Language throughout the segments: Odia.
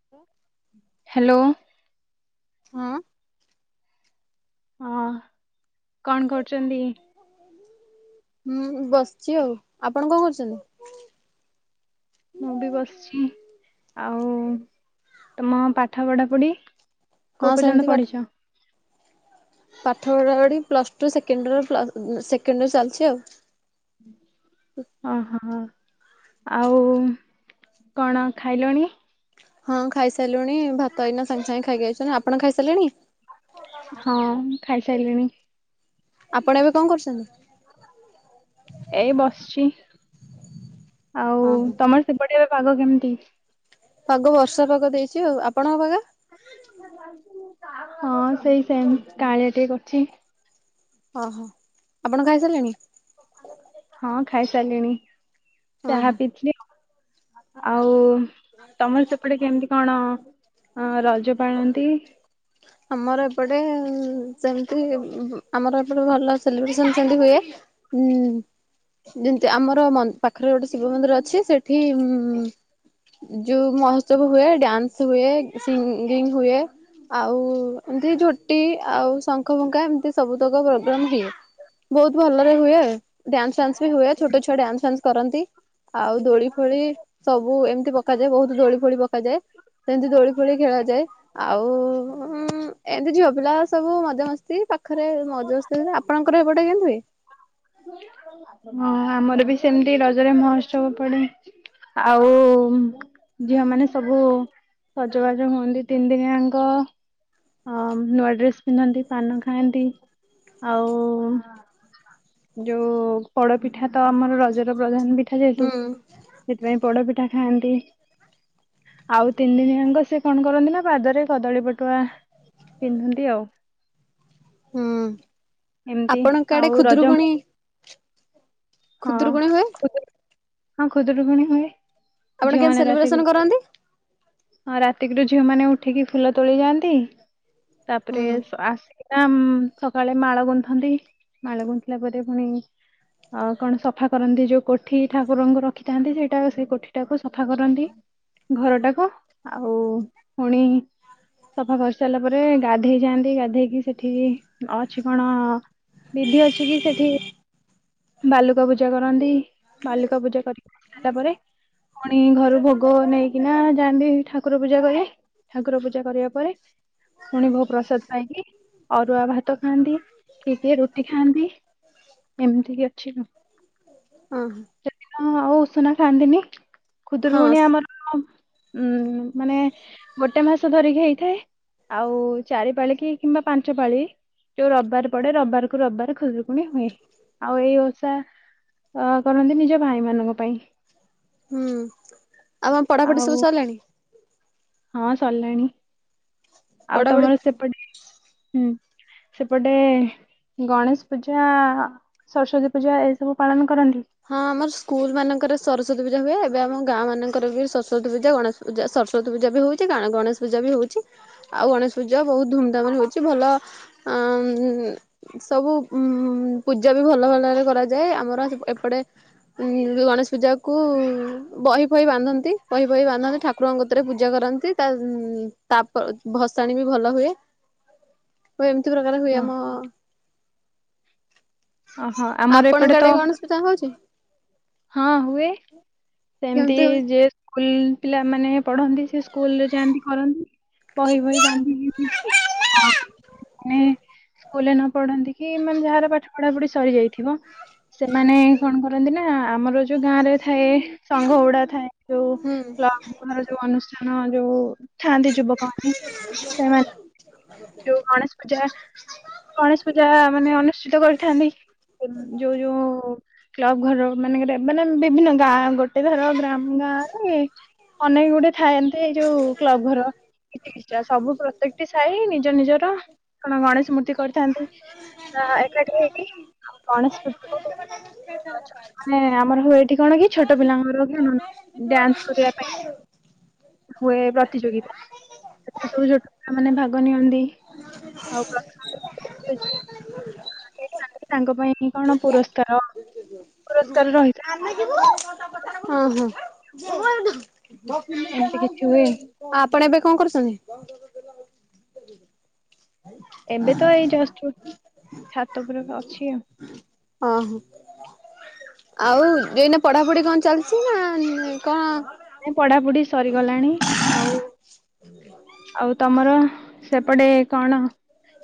ହାଲୋ। ହାଲୋ। ହଁ। ହଁ କଣ କରୁଛନ୍ତି? ହୁଁ ବସିଛି ଆଉ ଆପଣ କଣ କରୁଛନ୍ତି? ମୁଁ ବି ବସିଛି ଆଉ ତମ ପାଠ ପଢା ପଢି। ହଁ କୋଉ ପର୍ଯ୍ୟନ୍ତ ସେମିତି ପାଠ ପଢିଛ? ପାଠ ପଢା ପଢି ପ୍ଲସ ଟୁ ସେକେଣ୍ଡ ଇୟର ପ୍ଲ ଉଁ ସେକେଣ୍ଡ ଇୟର ଚାଲିଛି ଆଉ। ହଁ ହଁ। ଆଉ କଣ ଖାଇଲଣି? ହଁ ଖାଇସାରିଲୁଣି ଭାତ ଏଇନା ସାଙ୍ଗେ ସାଙ୍ଗେ ଖାଇକି ଆଇଚୁନା ଆପଣ ଖାଇସାରିଲେଣି। ହଁ ଖାଇସାରିଲିଣି। ଆପଣ ଏବେ କଣ କରୁଛନ୍ତି? ଏଇ ବସିଛି ଆଉ ହଁ ହଁ ତମର ସେପଟେ ପାଗ କେମିତି? ପାଗ ବର୍ଷା ପାଗ ଦେଇଛି ଆଉ ଆପଣଙ୍କ ପାଗ। ହଁ ସେଇ ସେମ କାଳିଆ ଟିକେ କରିଚି। ଓହୋ ଆପଣ ଖାଇ ସାରିଲେଣି? ହଁ ଖାଇସାରିଲିଣି ହଁ ହଁ। ଚାହା ପିଇଥିଲି ଆଉ। ଆଉ ତମର ସେପଟେ କେମିତି କଣ? ଅଁ ରଜ ପାଳନ୍ତି। ଆମର ଏପଟେ ଉଁ ସେମିତି ଉଁ ଆମର ଏପଟେ ଭଲ ସେଲିବ୍ରେସନ ସେମିତି ହୁଏ। ହୁଁ ଯେମିତି ଆମର ମ ପାଖରେ ଗୋଟେ ଶିବ ମନ୍ଦିର ଅଛି ସେଠି ଉଁ। ଉଁ। ଯୋଉ ମହୋତ୍ସବ ହୁଏ ଡ୍ୟାନ୍ସ ହୁଏ ସିଙ୍ଗିଙ୍ଗ ହୁଏ ଆ ଆଉ ଏମିତି ଝୋଟି ଆଉ ଶଙ୍ଖ ଫୁଙ୍କା ଏମିତି ସବୁ ତକ ପ ପ୍ରୋଗରାମ ହୁଏ ବହୁତ ଭଲରେ ହୁଏ ଡ୍ୟାନ୍ସ ଫ୍ୟାନ୍ସ ବି ହୁଏ ଛୋଟ ଛୁଆ ଡ୍ୟାନ୍ସ ଫ୍ୟାନ୍ସ କରନ୍ତି। ଆଉ ଦୋଳି ଫୋଳି ସବ୍ ବୁ ଏମିତି ପକାଯାଏ। ବହୁତୁ ଦୋଳି ଫୋଳି ପକାଯାଏ। ସେମିତି ଦୋଳି ଫୋଳି ଖେଳାଯାଏ। ଆଉ [unintelligible] ଏମତି ଝିଅ ପିଲା ସବୁ ମଜା ମସ୍ତି ପାଖରେ ମଜାସ୍ତି ଆପଣଙ୍କର ଏପଟେ କେମତି ହୁଏ? ହଁ ଆମର ବି ସେମତି ରଜରେ ମହୋତ୍ସବ ପଡେ। ଆଉ ଝିଅମାନେ ସବୁ ସଜବାଜ ହୁଅନ୍ତି ତିନି ଦିନିୟାଙ୍କ। ଅ ନୂଆ ଡ୍ରେସ ପିନ୍ଧନ୍ତି। ପାନ ଖାଆନ୍ତି। ଆଉ ଯୋଉ ପୋଡପିଠା ତ ଆମର ରଜର ପ୍ରଧାନ ବି। ପିଠା ଯେହେତୁ ହୁଁ ସେଥିପାଇଁ ପୋଡପିଠା ଖାଆନ୍ତି। ଆଉ ତିନି ଦିନି ଯାଙ୍କ ସେ କଣ କରନ୍ତି ନା ପାଦରେ କଦଳୀ ପଟୁଆ ପିନ୍ଧନ୍ତି ଆଉ। ହୁଁ ଏମତି ଆପଣଙ୍କ ଆଡେ ଆଉ ରଜ। ଖୁଦୁରୁକୁଣୀ ହଁ ଖୁଦୁରୁକୁଣୀ ହୁଏ ଖୁଦୁରୁ ହଁ ଖୁଦୁରୁକୁଣୀ ହୁଏ। ଆପଣ କେମିତି ଝିଅମାନେ ରାତି ସେଲିବ୍ରେସନ ଗୁରୁ କରନ୍ତି? ହଁ ରାତିକ୍ ରୁୁ ଝିଅମାନେ ଉଠିକି ଫୁଲ ତୋଳି ଯାଆନ୍ତି। ତାପରେ ହୁଁ ଆସ୍ ୟାମ୍ ସକାଳେ ମାଳ ଗୁନ୍ଥନ୍ତି। ମାଳ ଗୁନ୍ଥିଲା ପରେ ପୁଣି ଆଉ କଣ ସଫା କରନ୍ତି ଯୋଉ କୋଠି ଠାକୁରଙ୍କୁ ରଖିଥାନ୍ତି ସେଇଟା ସେଇ କୋଠିଟାକୁ ସଫା କରନ୍ତି ଘରଟାକୁ ଆଉ ପୁଣି ସଫା କରି ସାରିଲା ପରେ ଗାଧେଇ ଯାଆନ୍ତି ଗାଧେଇକି ସେଠି ଅଛି କଣ? ବିଧି ଅଛି କି ସେଠି ବାଲୁକା ପୂଜା କରନ୍ତି। ବାଲୁକା ପୂଜା କରିକ ସାରିଲା ପରେ ପୁଣି ଘରୁ ଭୋଗ୍ ଗୋ ନେଇକିନା ଯାଆନ୍ତି। ଠାକୁର ପୂଜା କରେ ଠାକୁର ପୂଜା କରିବା ପରେ ପୁଣି ଭୋ ପ୍ରସାଦ ପାଇକି ଅରୁଆ ଭାତ ଖାଆନ୍ତି କିଏ କିଏ ରୁଟି ଖାଆନ୍ତି। ଏମ୍ ସେଦିନ ହଁ ଆଉ ଉଷୁନା ଖାଆନ୍ତିନି। ହଁ ଖୁଦରକୁୁଣୀ ଆମର ଉଁ ମାନେ ଗୋଟେ ମାସ ଧରିକି ହେଇଥାଏ। ଆଉ ଚାରି ପାଳି କି କିମ୍ବା ପାଞ୍ଚ ପାଳି ଯୋଉ ରବବାର ପଡେ ରବବାର କୁ ରବବାର ଖୁଦୁ ପୁଣି ହୁଏ ଆଉ ଏଇ ଓଷା ଅ କରନ୍ତି ନିଜ ଭାଇ ମାନଙ୍କ ପାଇଁ। ହୁଁ ଆଉ କଁ ପଢାପଢି ଆଉ ସବୁ ସାରିଲାଣି? ହଁ ସରିଲାଣି ଆଉ ପଢାପଢି ତମର ସେପଟେ ହୁଁ। ସେପଟେ ଗଣେଶ ପୂଜା, ସରସ୍ଵତୀ ପୂଜା ଏଇ ସବୁ ପାଳନ କରନ୍ତି। ହଁ ଆମର ସ୍କୁଲ ମାନଙ୍କରେ ସରସ୍ ସରସ୍ଵତୀ ପୂଜା ହୁଏ। ଏବେ ଆମ ଗାଁ ମାନଙ୍କରେ ବି ସରସ୍ଵତୀ ପୂଜା, ଗଣେଶ ପୂଜା ସରସ୍ୱତୀ ପୂଜା ବି ହଉଚି ଗଣେଶ ପୂଜା ବି ହଉ ଚି ଆଉ ଗଣେଶ ପୂଜା ବହୁତ ଧୁମଧାମ୍ ରେ ହଉଚି ଭଲ ଆଁ ସବୁ। ଉଁ ପୂଜା ବି ଭଲ ଭଲରେ କରାଯାଏ। ଆମର ସେଟ୍ ଏପ୍ ପଡେ ଉଁ ଗଣେଶ ପୂଜା କୁ ବହି ଫହି ବାନ୍ଧନ୍ତି ବହି, ଫହି ବାନ୍ଧନ୍ତି ଠାକୁରଙ୍କ କତରେ ପୂଜା କରନ୍ତି ତା ତାପ ର ଭସାଣି ବି ଭଲ ହୁଏ। ହୁଏ ଏମତି ପ୍ରକାର ହୁଏ ହଁ ଆମ ଓହୋ ଆମର ଆପଣଙ୍କ ଏପଟେ ତ ଆଡେ ଗଣେଶ ପୂଜା ହଉଛି ହଁ ହୁଏ ସେମତି କେମିତି ହଉଛି? ଯେ ସ୍କୁଲ ପିଲାମାନେ ପଢନ୍ତି, ସେ ସ୍କୁଲରେ ଯାଆନ୍ତି କରନ୍ତି। ବହି ଫହି ବାନ୍ଧିକି ହଁ। ମାନେ ସ୍କୁଲରେ ନ ପଢନ୍ତି କି ମାନେ ଯାହାର ପାଠ ପଢାପଢି ସରିଯାଇଥିବ ସେମାନେ କଣ କରନ୍ତି ନା ଆମର ଯୋଉ ଗାଁ ରେ ଥାଏ ସଂଘ ଗୁଡା ଥାଏ ଯୋଉ ହୁଁ କ୍ଲବ [unintelligible] ଯୋଉ ଅନୁଷ୍ଠାନ ଯୋଉ ଥାନ୍ତି ଯୁବକମାନେ ସେମାନ୍ ଯୋଉ ଗଣେଶ ପୂଜା ଗଣେଶ ପୂଜା ମାନେ ଅନୁଷ୍ଠିତ କରି ଯୋଉ ଯୋଉ କ୍ଲବ ଘର ମାନେଙ୍କ, ମାନେ ବିଭିନ୍ନ ଗାଁ ଗୋଟେ ଗୋଟେ ଥର ଗ୍ରାମ ଗାଁରେ ଅନେକ ଗୁଟେ ଥାଆନ୍ତି ଏଇ ଯୋଉ କ୍ଲବ ଘର କିଛି କିଛି, ସବୁ ପ୍ରତ୍ୟେକଟି ସାହି ନିଜ ନିଜର କଣ ଗଣେଶ ମୂର୍ତ୍ତି କରିଥାନ୍ତି। ହଁ ଏ କ ଆ ଗଣେଶ ପୂଜ ମାନେ ଆମର ହୁଏ, ଏଠି କଣ କି ଛୋଟ ପିଲାଙ୍କର, ଡ୍ୟାନ୍ସ କରିବା ପାଇଁ ହୁଏ, ପ୍ରତିଯୋଗିତା ସେଥିରେ ସବୁ ଛୋଟ ପିଲା ମାନ ଭାଗ ନିଅନ୍ତି ଆଉ ତାଙ୍କ ପାଇଁ କଣ ପୁରସ୍କାର ହଁ ପୁରସ୍କାର ରହିଥାଏ ଏମିତି କିଛି ହୁଏ [unintelligible] ଆପଣ ଏବେ କଣ କରୁଛନ୍ତି? ଏବେ ତ ଏଇ ଯ ଛାତ ଉପରେ ଅଛି ଆଉ ହଁ ହ ଆଉ ଏଇନେ ପଢାପଢି କଣ ଚାଲିଛି ନା କଣ? ନାଇଁ ପଢାପଢି ସରିଗଲାଣି ଆଉ ଆଉ ତମର, ସେପଟେ କଣ?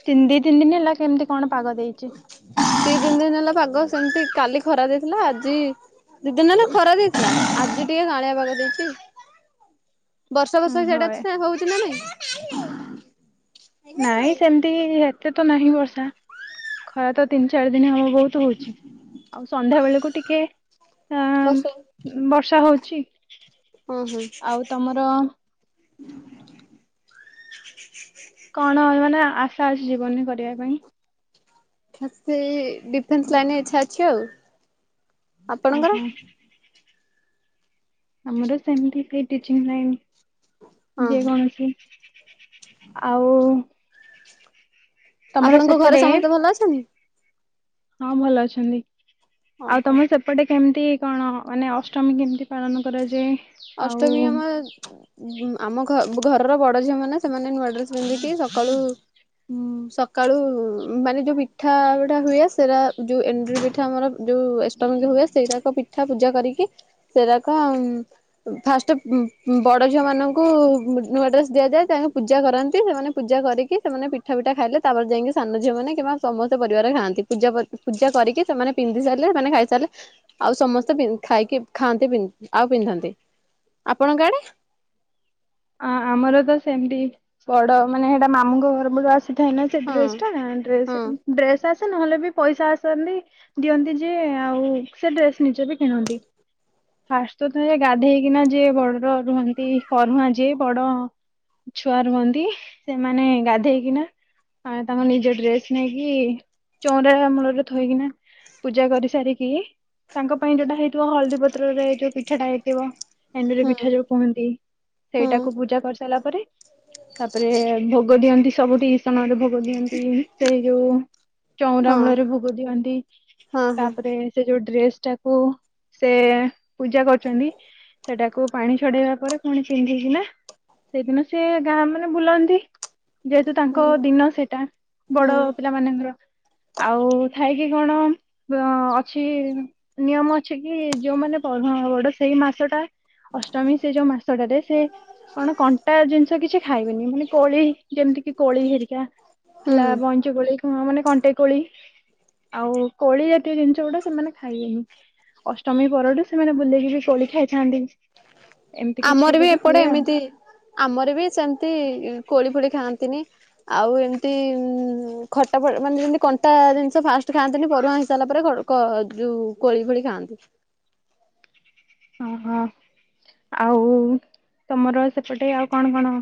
ଦି ତିିଧିନି ହେଲା କେମିତି କଣ,? ପାଗ ଦେଇଛି ଦି ତିନ୍ ଦିନ୍ ହେଲା ପାଗ ସେମିତି କାଲି ଖରା ଦେଇଥିଲା, ଆଜି ଦି ଦିନ୍ ହେଲେ ଖରା ଦେଇଥିଲା, ଆଜି ଟିକେ ଗାଳିଆ ପାଗ ଦେଇଛି। [inaudible] ବର୍ଷା ବର୍ଷା ବି ସିଆଡ଼େ ହଏ ଅଛି ନା ହଉଛି ନା ନାଇଁ? ନାଇଁ ସେମିତି, ଏତେ ତ ନାହିଁ ବର୍ଷା ଖରା ତ ତିନି ଚାରି ଦିନ ହବ ବହୁତ ହଉଛି, ଆଉ ସନ୍ଧ୍ୟା ବେଳକୁ ଟିକେ ଆଁ ବର୍ଷା ବର୍ଷା ହଉଚି, ହଁ ଆଉ ତମର ଛୁ ଛୁ [unintelligible] କଣ ମାନେ ଆଶା ଅଛି ଜୀବନରେ କରିବା ପାଇଁ? ସେ ଡିଫେନ୍ସ ଲାଇନରେ ଇଛା ଅଛି ଆଉ, ଆପଣଙ୍କର ଓହୋ ଆମର ସେମିତି ସେ ଟିଚିଙ୍ଗ୍ ହଁ ଲାଇନ୍ ଯେ ହଁ କୌଣସି ଆଉ ତମର ଆପଣଙ୍କ ଘରେ ସେପଟେ ସମସ୍ତେ ଭଲ ଅଛନ୍ତି? ହଁ ଭଲ ଅଛନ୍ତି, ଆଉ ଓହୋ ତମେ ସେପଟେ କେମିତି କଣ ମାନେ ଅଷ୍ଟମୀ କେମିତି? ପାଳନ କରାଯାଏ। ଆଉ ଅଷ୍ଟମୀ ଆମ ଆମ ଘରର ବଡ ଝିଅମାନେ ସେମାନେ ନୂଆ ଡ୍ରେସ୍ ପିନ୍ଧିକି ସକାଳୁ ଉଁ ସକାଳୁ ମାନେ ଯୋଉ ପିଠାଟା ହୁଏ, ସେଟା ଯୋଉ ଏଣ୍ଡୁରି ପିଠା ଆମର ଯୋଉ ଅଷ୍ଟମୀ ହୁଏ, ସେଇଟାକ ପିଠା ପୂଜା କରିକି ସେଇରାକ ଉଁ ଫାଷ୍ଟ ବଡ଼ ଝିଅ ମାନଙ୍କୁ ନୂଆ ଡ୍ରେସ୍ ଦିଆଯାଏ, ତେଣେ ପୂଜା କରନ୍ତି। ସେମାନେ ପୂଜା କରିକି ସେମାନେ, ପିଠା ପିଠା ଖାଇଲେ, ତାପରେ ଯାଇକି ସାନ ଝିଅମାନେ କିମ୍ବା ସମସ୍ତ ପରିବାର ଖାଆନ୍ତି, ପୂଜା ପୂଜା କରିକି ସେମାନେ ପିନ୍ଧି ସାରିଲେ, ସେଇମାନେ ଖାଇସାରିଲେ, ଆଉ ସମସ୍ତେ ଖାଇକି ଖାଆନ୍ତି ଆଉ ପିନ୍ଧନ୍ତି, ଆପଣ ଆଡେ ଆ ଆମର ତ ସେମତି ବଡ ମାନେ ହେଟା ମାମୁଙ୍କ ଘର ପଟୁ ଆସେ ଆସି ଥାଏନା ସେ ହଁ ଡ୍ରେସ ଟା, ହଁ ଡ୍ରେସ ଡ୍ରେସ ସେ ନହେଲେ ବି ପଇସା ଆସନ୍ତି, ଦିଅନ୍ତି ଯିଏ, ଆଉ ସେ ଡ୍ରେସ ନିଜେ ବି କିଣନ୍ତି। ଫାଷ୍ଟ ତ ତ ଗାଧେଇକିନା ଯିଏ ବଡର ରୁହନ୍ତି, ଫରୁୁଆଁ, ଯିଏ ବଡ ଛୁଆ ରୁଅନ୍ତି, ସେମାନେ ଗାଧେଇକିନା ଆ ତାଙ୍କ ନିଜ ଡ୍ରେସ୍ ନେଇକି, ଚଉରା ମୂଳରେ ଥୋଇକିନା ପୂଜା କରି ସାରିକି ତାଙ୍କ ପାଇଁ ଯୋଉଟା ହେଇଥିବ, ହଳଦୀ ପତ୍ରରେ ଯୋଉ ପିଠାଟା ହେଇଥିବ ଏଣ୍ଡୁରି ହୁଁ ପିଠା ଯୋଉ କୁହନ୍ତି, ହୁଁ ସେଇଟାକୁ ପୂଜା କରିସାରିଲା ପରେ, ତାପରେ ଭୋଗ ଭୋଗ ଦିଅନ୍ତି ସବୁଠି, ଈଶାନରେ ଭୋଗ ଦିଅନ୍ତି ସେଇ ଯୋଉ ଚଉରା ହଁ ମୂଳ ରେ ଭୋଗ ଦିଅନ୍ତି, ହଁ ହଁ ତାପରେ ସେ ଯୋଉ ଡ୍ରେସ ଟାକୁ ସେ ପୂଜା କରୁଛନ୍ତି, ସେଟାକୁ ପାଣି ଛଡେଇବା ପରେ ପୁଣି ପିନ୍ଧିକିନା, ସେଇଦିନ ସେ ଗାଁ ମାନେ ବୁଲନ୍ତି। ଯେହେତୁ ତାଙ୍କ ହୁଁ ଦିନ ସେଇଟା ହୁଁ ବଡ ପିଲା ମାନଙ୍କର ଆଉ ଥାଇକି କଣ, ଅଛି ନିୟମ ଛି କି ଯୋଉମାନେ ବଡ ସେଇ ମାସଟା ଅଷ୍ଟମୀ, ସେ ଯୋଉ ମାସଟାରେ ସେ କଣ କଣ୍ଟା ଜିନିଷ କିଛି ଖାଇବେନି, ମାନେ କୋଳି, ଯେମିତି କି କୋଳି ହେରିକା ହେଲା ହୁଁ ବଇଞ୍ଚ କୋଳି, ମାନେ କଣ୍ଟେଇ କୋଳି ଆଉ କୋଳି ଜାତୀୟ ଜିନିଷ ଗୁଡା ସେମାନେ ଖାଇବେନି। ଅଷ୍ଟମୀ ପରଠୁ ସେମାନେ ବୁଲିକି କୋଳି ଖାଇଥାନ୍ତି। ଏମିତି କିଛି ଆମର ବି ଏପଟେ ହୁଏ ଆଉ ଏମିତି, ଆମର ବି ସେମିତି, କୋଳି ଫୋଳି ଖାଆନ୍ତିନି ଆଉ ଏମିତି ଖଟା ମାନେ ଯେମିତି କଣ୍ଟା ଜିନିଷ, ଫାଷ୍ଟ ଖାଆନ୍ତିନି ପରୁଆ ହେ ହଁଇସାରିଲା ରେ ଯୋଉ କୋଳି ଫୋଳି ଖାଆନ୍ତି। ଓହୋ ଆଉ ତମର ସେପଟେ, ଆଉ କଣ କଣ?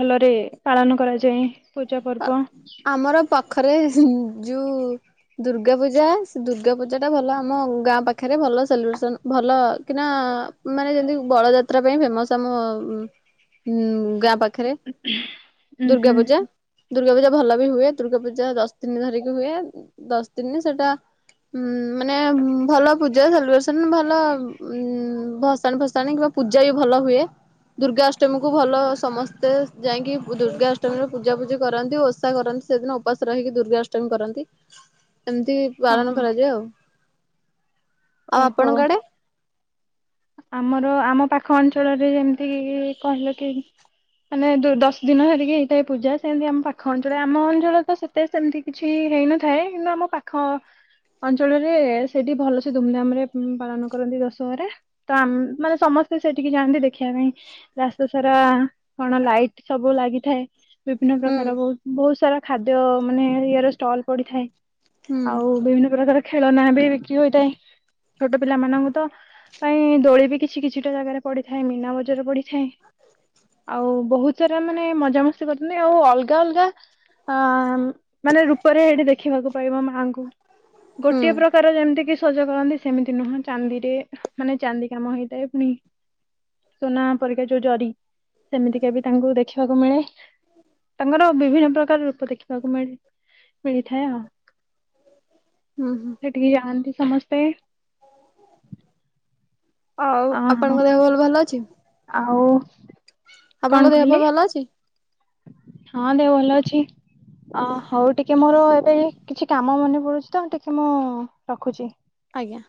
ଭଲରେ ପାଳନ କରାଯାଏ। ପୂଜା ପର୍ବ ଆମର ପାଖରେ ଯୋଉ ଦୁର୍ଗା ପୂଜା, ସେ ଦୁର୍ଗା ପୂଜା ଟା ଭଲ, ଆମ ଗାଁ ପାଖରେ ଭଲ ସେଲିବ୍ରେସନ ଭଲ ଭଲ କିନା ମାନେ ଯେମିତି ବଳଯାତ୍ରା ପାଇଁ, ଫେମସ ଆମ ହୁଁ, ଗାଁ ପାଖରେ ଉୁଁ ଦୁର୍ଗା ହୁଁ ପୂଜା ଦୁର୍ଗା ପୂଜା ଭଲ ବି ହୁଏ, ଦୁର୍ଗା ପୂଜା ଦଶ ଦିନ ଧରିକି ହୁଏ, ଦଶ ଦିନ ସେଟା ହଁ ମାନେ ଭଲ ପୂଜା, ସାଲିବ୍ରେସନ ଭଲ ଉ ଭସାଣ ଫସାଣ କି ପୂଜା ବି ଭଲ ହୁଏ। ଦୁର୍ଗାଷ୍ଟମୀ କୁ ଭଲ ସମସ୍ତେ ଯାଇକି, ଦୁର୍ଗାଷ୍ଟମୀ ର ପୂଜା ପୂଜି କରନ୍ତି ଓଷା କରନ୍ତି, ସେଦିନ ଉପାସ ରହିକି ଦୁର୍ଗା ଅଷ୍ଟମୀ କରନ୍ତି। ଏମିତି ହଁ ପାଳନ ହଁ କରାଯାଏ ଆଉ ଆଉ ଓହୋ ଆପଣଙ୍କ ଆଡେ? ଆମର ଆମ ପାଖ ଅଞ୍ଚଳରେ ଯେମିତି କି କହିଲ କି ମାନେ ଦଶ ଦିନ ଧରିକି ହେଇଥାଏ ପୂଜା ସେମିତି ଆମ ପାଖ ଅଞ୍ଚଳ ଆମ ଅଞ୍ଚଳ ତ ସେତ ସେମିତି କିଛି ହେଇନଥାଏ କିନ୍ତୁ ଆମ ପାଖ ଅଞ୍ଚଳରେ ସେଠି ଭଲ ସେ ଧୁମଧାମ ରେ ପାଳନ କରନ୍ତି ଦଶହରା। ତ ମାନେ ସମସ୍ତେ ସେଠିକି ଯାଆନ୍ତି ଦେଖିବା ପାଇଁ ରାସ୍ତା ସାରା କଣ ଲାଇଟ ସବୁ ଲାଇ ଲାଗିଥାଏ ବିଭିନ୍ନ ହୁଁ। ପ୍ରକାର ବ ବହୁତ ସାରା ଖାଦ୍ୟ ମାନେ ଇର ଷ୍ଟଲ ପଡିଥାଏ ହୁଁ ଆଉ ବିଭିନ୍ନ ପ୍ରକାର ଖେଳନା ବି ବିକ୍ରି ହୋଇଥାଏ, ଛୋଟ ପିଲାମାନାନଙ୍କୁ ତ ପାଇଁ ଦୋଳି ବି କିଛି କିଛିଟା ଜାଗାରେ ପଡିଥାଏ ମୀନା ବଜାରରେ ପଡିଥାଏ ଆଉ ବହୁତ ାରା ମାନେ ମଜାାମସ୍ତି କରୁଛନ୍ତି ଆଉ ଅଲଗା ଅଲଗା ଅ ମାନେ ରୂପରେ ଏଇଠି ଦେଖିବାକୁ ପାଇବ ଆଗୁ ହୁଁ ଗୋଟିଏ ପ୍ରକାର ଯେମିତି କି ସଜ କରନ୍ତି ସେମିତି ନୁହଁ ଚାନ୍ଦିରେ ମାନେ ଚାନ୍ଦି କାମ ହେଇଥାଏ ପୁଣି ସୁନା ପରରିକା ଯୋଉ ଜରି ସେମିତିକ ବି ତାଙ୍କୁ ଦେଖିବାକୁ ମିଳେ ତାଙ୍କର ବିଭିନ୍ନ ପ୍ରକାର ରୂପ ଦେଖିବାକୁ ମିଳେ ମିଳିଥାଏ ଆଉ ହୁଁ ହୁଁ ସେ ଟିକେ ଜାଣନ୍ତି ସମସ୍ତେ ଆଉ ଅ ହଁ ଆପଣଙ୍କ ଦେହ ଭଲ ଭଲ ଅଛି? ଆଉ କଣ ଆପଣଙ୍କ ଦେହ ପା କହିଲେ ଭଲ ଅଛି? ହଁ ଦେ ଭଲ ଅଛି ଅ ହଉ ଟିକେ ମୋର ଏ କିଛି କାମ ମନେ ପଡୁଛି ତ ଟିକେ ମୁଁ ରଖୁଛି। ଆଜ୍ଞା